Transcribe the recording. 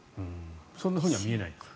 そんなふうには見えないですか？